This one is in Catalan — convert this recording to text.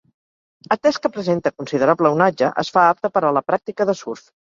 Atès que presenta considerable onatge es fa apta per a la pràctica de surf.